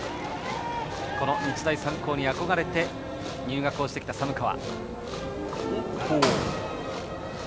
日大三高に憧れて入学してきた寒川。